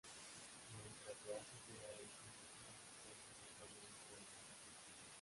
Mientras se hace girar en sí misma la cuenta se pronuncia el mantra.